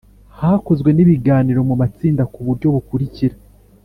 Hakozwe n ibiganiro mu matsinda ku buryo bukurikira